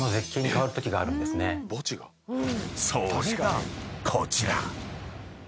［それがこちら］